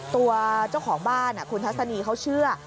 ตัวเจ้าของบ้านคุณทัศนีเขาเชื่อ